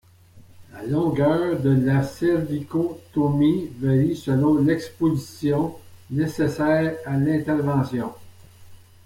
La longueur de la cervicotomie varie selon l'exposition nécessaire à l'intervention.